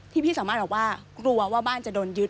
ที่พี่สามารเรากลัวว่าบ้านจะโดนยึด